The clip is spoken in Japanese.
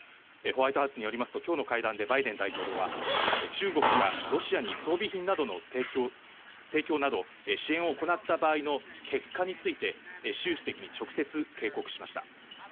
ホワイトハウスによりますと、きょうの会談でバイデン大統領は、中国がロシアに装備品などの提供など、支援を行った場合の結果について、習主席に直接警告しました。